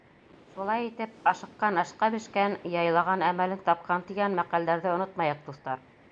Шулай итеп, «Ашыҡҡан ашҡа бешкән», «Яйлаған әмәлен тапҡан» тигән мәҡәлдәрҙе онотмайыҡ, дуҫтар.